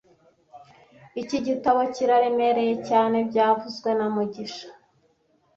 Iki gitabo kiraremereye cyane byavuzwe na mugisha